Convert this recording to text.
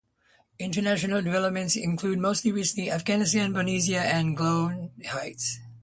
International deployments include most recently Afghanistan, Bosnia and the Golan Heights.